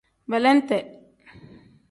Belente.